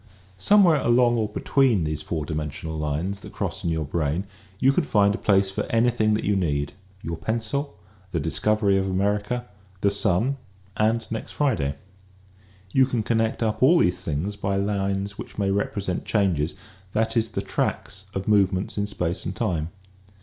Somewhere along or between these four dimensional lines that cross in your brain you can find a place for anything that you need; your pencil, the discovery of America, the sun and next Friday. You can connect up all these things by lines which may represent changes, that is the tracks of movements in space and time.